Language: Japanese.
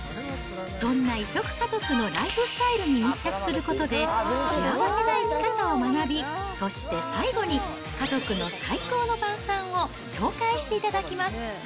そんな異色家族のライフスタイルに密着することで、幸せな生き方を学び、そして最後に、家族の最高の晩さんを紹介していただきます。